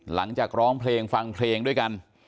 หลังจากร้องเพลงฟังเพลงด้วยกัน